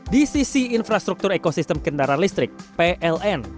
di sisi infrastruktur ekosistem kendaraan listrik pln